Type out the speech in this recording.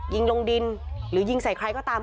ยิงลงดินหรือยิงใส่ใครก็ตาม